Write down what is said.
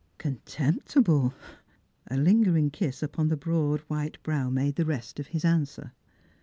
" Contemptible 1 " A lingering kiss upon the broad white brow made the rest of his answer.